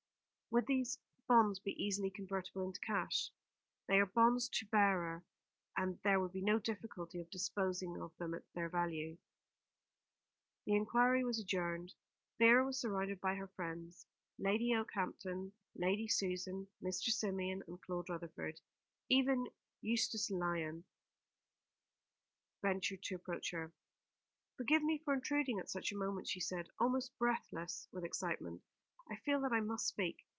"Would these bonds be easily convertible into cash?" "They are bonds to bearer, and there would be no difficulty of disposing of them at their value." The inquiry was adjourned. Vera was surrounded by her friends, Lady Okehampton, Lady Susan, Mr. Symeon, and Claude Rutherford. Even Eustace Lyon ventured to approach her. "Forgive me for intruding at such a moment," he said, almost breathless with excitement. "I feel that I must speak.